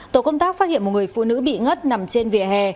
tổ công tác phát hiện một người phụ nữ bị ngất nằm trên vỉa hè